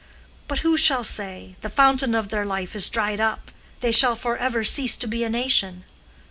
But who shall say, 'The fountain of their life is dried up, they shall forever cease to be a nation?